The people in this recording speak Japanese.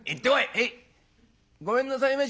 「へい！ごめんなさいまし」。